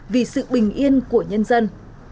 vì sự bình yên của nhân dân